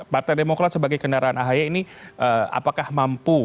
partai demokrat sebagai kendaraan ahy ini apakah mampu